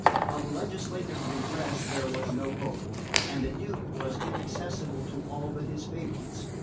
Of legislative redress there was no hope, and the Duke was inaccessible to all but his favourites.